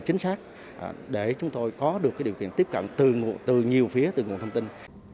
trinh sát để chúng ta có được điều kiện tiếp cận từ nhiều phía từ nhiều thông tin